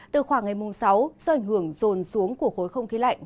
từ khoảng ngày mùng sáu do ảnh hưởng rồn xuống của khối không khí lạnh